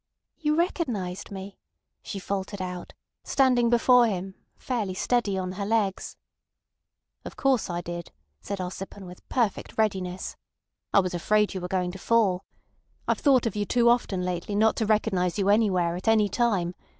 "You recognised me," she faltered out, standing before him, fairly steady on her legs. "Of course I did," said Ossipon with perfect readiness. "I was afraid you were going to fall. I've thought of you too often lately not to recognise you anywhere, at any time.